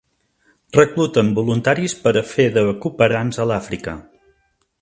Recluten voluntaris per a fer de cooperants a l'Àfrica.